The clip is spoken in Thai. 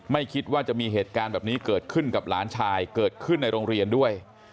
ไม่คิดว่าจะมีเหตุการณ์แบบนี้เกิดขึ้นกับหลานชายเกิดขึ้นในโรงเรียนด้วย